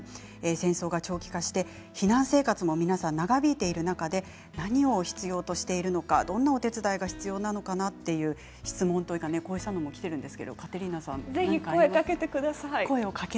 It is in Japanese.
戦争が長期化して、避難生活も皆さん長引いている中で何を必要としているのかなとかお手伝いが必要なのかなという質問というかこうしたものもきています。